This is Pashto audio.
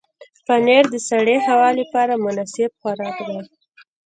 پنېر د سړې هوا لپاره مناسب خوراک دی.